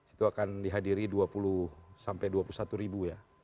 itu akan dihadiri dua puluh sampai dua puluh satu ribu ya